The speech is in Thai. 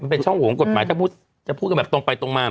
เป็นช่องโหงกฎหมายถ้าจะพูดกันแบบตรงไปตรงมา